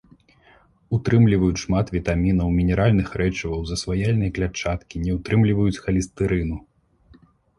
Утрымліваюць шмат вітамінаў, мінеральных рэчываў, засваяльнай клятчаткі, не ўтрымліваюць халестэрыну.